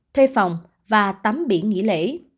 thuê phòng và tắm biển nghỉ lễ